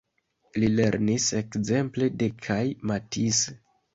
Li lernis ekzemple de kaj Matisse.